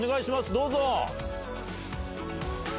どうぞ。